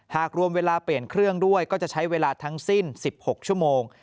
หากรวมเวลาเปลี่ยนเครื่องด้วยก็จะใช้เวลาทั้งสิ้น๑๖ชั่วโมง